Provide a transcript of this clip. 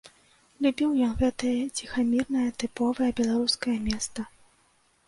Любіў ён гэтае ціхамірнае тыповае беларускае места.